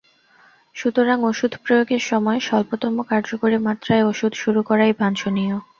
সুতরাং ওষুধ প্রয়োগের সময় স্বল্পতম কার্যকরী মাত্রায় ওষুধ শুরু করাই বাঞ্ছনীয়।